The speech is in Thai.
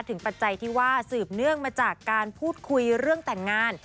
ปัจจัยที่ว่าสืบเนื่องมาจากการพูดคุยเรื่องแต่งงาน